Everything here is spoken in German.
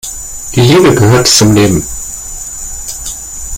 Die Liebe gehört zum Leben.